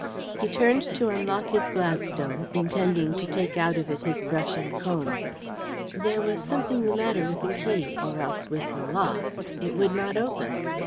He turned to unlock his Gladstone, intending to take out of it his brush and comb. There was something the matter with the key, or else with the lock it would not open.